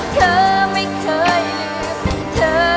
เธอไม่เคยลืมเธอ